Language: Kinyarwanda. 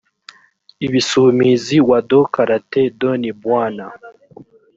ibisumizi wado karate do ni bwana